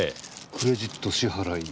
クレジット支払い。